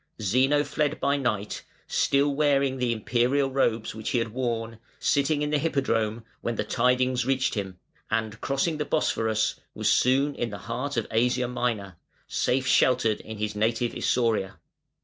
Zeno fled by night, still wearing the Imperial robes which he had worn, sitting in the Hippodrome, when the tidings reached him, and crossing the Bosphorus was soon in the heart of Asia Minor, safe sheltered in his native Isauria.